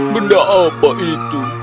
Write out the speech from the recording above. benda apa itu